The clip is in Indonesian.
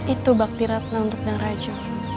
itu bakti ratna untuk dang raju